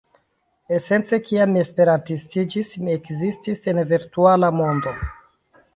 Esence kiam mi esperantistiĝis mi ekzistis en virtuala mondo